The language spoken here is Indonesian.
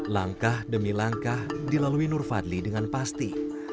langkah demi langkah dilalui nur fadli dengan pasti